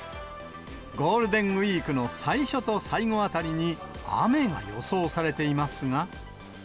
ゴールデンウィークの最初と最後あたりに雨が予想されていますが。